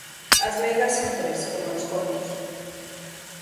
As meigas son tres, como nos contos.